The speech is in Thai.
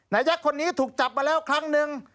นายกคนนี้ถูกจับมาแล้วครั้งหนึ่ง